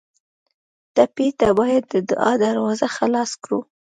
ټپي ته باید د دعا دروازه خلاصه کړو.